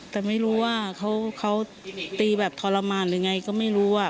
แต่ไม่รู้ว่าเขาตีแบบทรมานหรือไงก็ไม่รู้